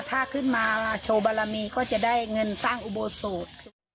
ถ้าขึ้นมาโชว์บารมีก็จะได้เงินสร้างอุโบสถ